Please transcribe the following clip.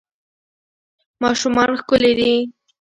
ماشومان ښکلي دي